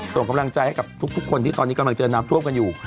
ส่งกำลังใจให้ทุกคนในนี้กำลังจะเจอน้ำชวบกันอยู่